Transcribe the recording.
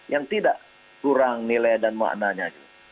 yang tidak kurang nilai dan maknanya